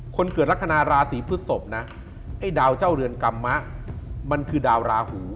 คนเกิดลักษณะราศีพฤศพนะไอ้ดาวเจ้าเรือนกรรมะมันคือดาวราหู